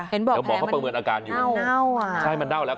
เห็นบอกแผงมันน่าว